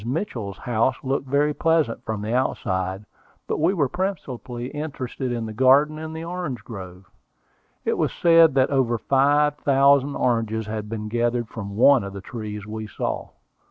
Mitchell's house looked very pleasant from the outside; but we were principally interested in the garden and orange grove. It was said that over five thousand oranges had been gathered from one of the trees we saw.